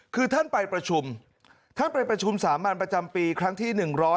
คือท่านไปประชุมท่านไปประชุมสามัญประจำปีครั้งที่๑๕